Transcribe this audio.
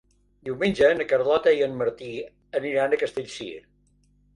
Diumenge na Carlota i en Martí aniran a Castellcir.